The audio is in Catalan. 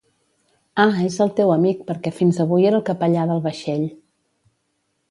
Ah, és el teu amic perquè fins avui era el capellà del vaixell